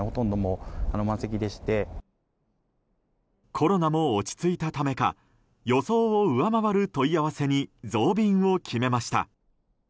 コロナも落ち着いたためか予想を上回る問い合わせに増便を決めました。